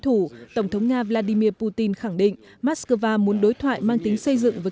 thủ tổng thống nga vladimir putin khẳng định moscow muốn đối thoại mang tính xây dựng và